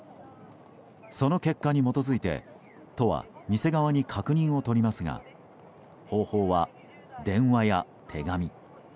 その結果に基づいて都は店側に確認を取りますが方法は電話や手紙。